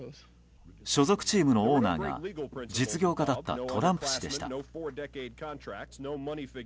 所属チームのオーナーが実業家だったトランプ氏でした。